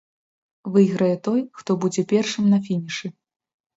Выйграе той, хто будзе першым на фінішы.